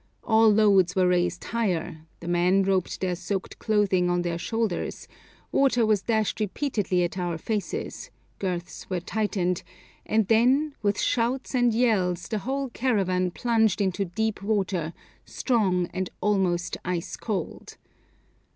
All loads were raised higher, the men roped their soaked clothing on their shoulders, water was dashed repeatedly at our faces, girths were tightened, and then, with shouts and yells, the whole caravan plunged into deep water, strong, and almost ice cold.